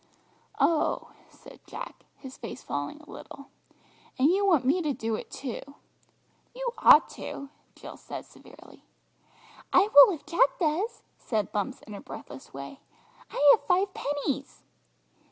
"Oh," said Jack, his face falling a little; "and you want me to do it too." "You ought to," Jill said severely. "I will if Jack does," said Bumps in her breathless way, "I have five pennies!"